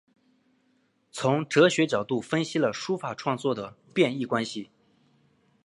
从哲学角度分析了书法创作的变易关系。